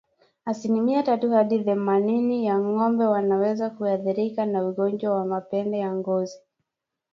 Asilimia tatu hadi themanini ya ngombe wanaweza kuathirika na ugonjwa wa mapele ya ngozi